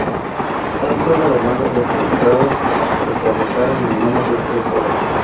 Tal fue la demanda de entradas, que se agotaron en menos de tres horas.